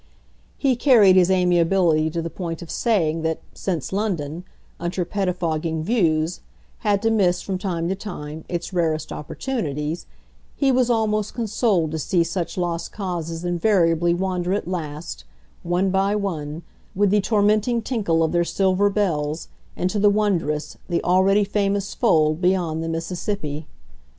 He carried his amiability to the point of saying that, since London, under pettifogging views, had to miss, from time to time, its rarest opportunities, he was almost consoled to see such lost causes invariably wander at last, one by one, with the tormenting tinkle of their silver bells, into the wondrous, the already famous fold beyond the Mississippi.